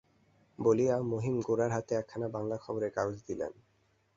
বলিয়া মহিম গোরার হাতে একখানা বাংলা খবরের কাগজ দিলেন।